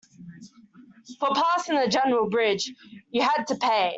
For passing the general bridge, you had to pay.